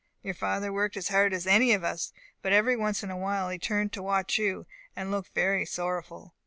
Your father worked as hard as any of us, but every once in a while he turned to watch you, and looked very sorrowful.